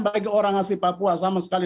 bagi orang asli papua sama sekali